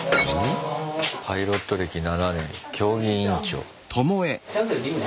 パイロット歴７年競技委員長。